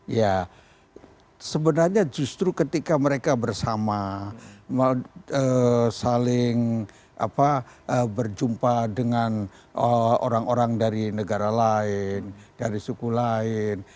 ya sebenarnya justru ketika mereka bersama saling berjumpa dengan orang orang dari negara lain dari suku lain